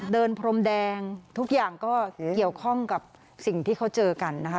พรมแดงทุกอย่างก็เกี่ยวข้องกับสิ่งที่เขาเจอกันนะคะ